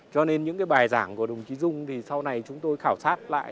cho nên những cái bài giảng của đồng chí dung thì sau này chúng tôi khảo sát lại